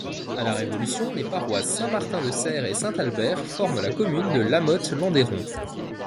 À la Révolution, les paroisses Saint-Martin-de-Serres et Saint-Albert forment la commune de Lamothe-Landerron.